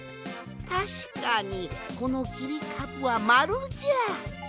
たしかにこのきりかぶはまるじゃ！